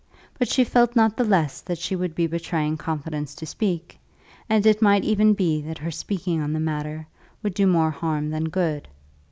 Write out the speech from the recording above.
But she felt not the less that she would be betraying confidence to speak, and it might even be that her speaking on the matter would do more harm than good.